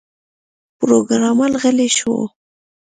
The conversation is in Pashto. پروګرامر غلی شو